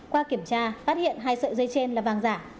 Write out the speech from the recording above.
qua kiểm tra phát hiện hai sợi dây trên là vàng giả